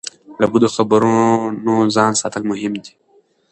له بدو خبرونو ځان ساتل مهم دي.